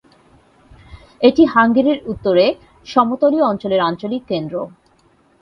এটি হাঙ্গেরির উত্তরের সমতলীয় অঞ্চলের আঞ্চলিক কেন্দ্র।